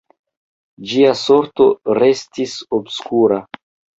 Ĝia sorto restis obskura.